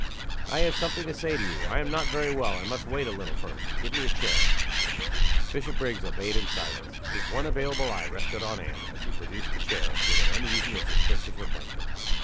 "I have something to say to you. I am not very well; I must wait a little first. Give me a chair." Bishopriggs obeyed in silence. His one available eye rested on Anne, as he produced the chair, with an uneasy and suspicious attention.